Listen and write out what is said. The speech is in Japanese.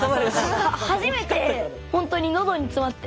初めてほんとにのどに詰まって。